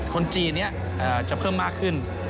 คนจีนนี้จะเพิ่มมากขึ้น